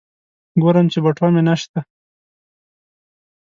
ګورم چې بټوه مې نشته.